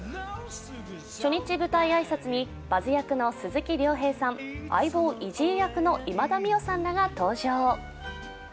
初日舞台挨拶にバズ役の鈴木亮平さん相棒・イジー役の今田美桜さんらが登場。